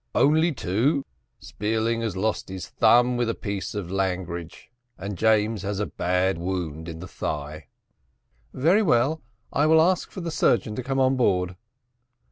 "Only two; Spearling has lost his thumb with a piece of langrage, and James has a bad wound in the thigh." "Very well; I will ask for the surgeon to come on board."